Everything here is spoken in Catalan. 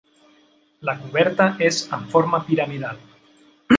La coberta és en forma piramidal.